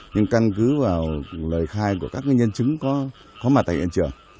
nhưng căn cứ vào lời khai của các nhân chứng có mặt tại hiện trường